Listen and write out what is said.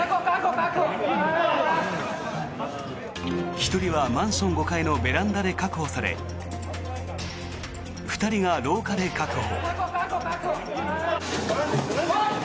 １人はマンション５階のベランダで確保され２人が廊下で確保。